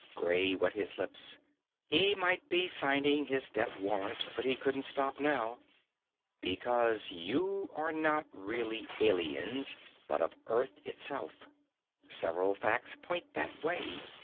_ Gray wet his lips. He might be signing his death warrant, but he couldn't stop now. "Because you are not really 'aliens,' but of Earth itself. Several facts point that way.